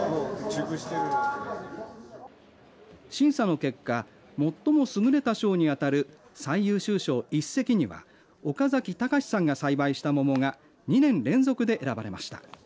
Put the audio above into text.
審査の結果最も優れた賞に当たる最優秀賞一席には岡崎貴嗣さんが栽培した桃が２年連続で選ばれました。